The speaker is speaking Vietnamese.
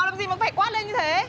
làm gì mà phải quát lên như thế